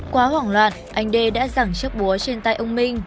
quá hoảng loạn anh dê đã dẳng chấp búa trên tay ông minh